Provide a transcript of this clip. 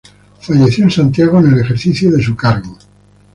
Falleció en Santiago, en el ejercicio de su cargo.